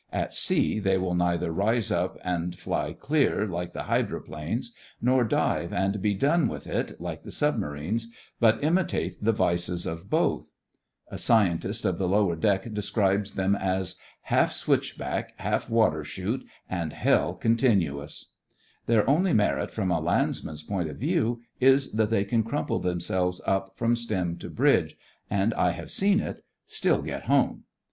At sea they will neither rise up and fly clear like the hydro planes, nor dive and be done with it like the submarines, but imitate the vices of both. A scientist of the lower deck describes them as: "Half switchback, half water chute, and 110 THE FRINGES OF THE FLEET Hell continuous." Their only merit, from a landsman's point of view, is that they can crumple themselves up from stem to bridge and (I have seen it) still get home.